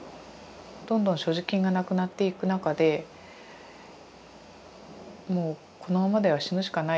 どんどん所持金がなくなっていく中でもうこのままでは死ぬしかない。